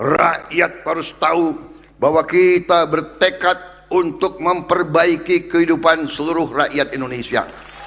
rakyat harus tahu bahwa kita bertekad untuk memperbaiki kehidupan seluruh rakyat indonesia